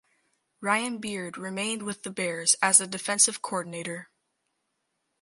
Ryan Beard remained with the Bears as the defensive coordinator.